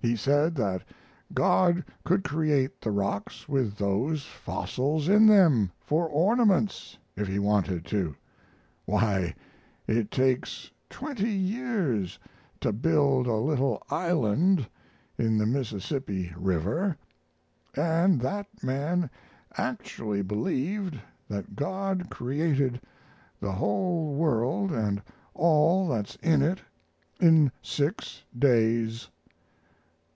He said that God could create the rocks with those fossils in them for ornaments if He wanted to. Why, it takes twenty years to build a little island in the Mississippi River, and that man actually believed that God created the whole world and all that's in it in six days.